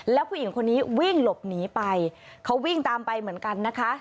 แล้วผู้หญิงคนนี้วิ่งหลบหนีไปเขาวิ่งตามไปเหมือนกันนะคะ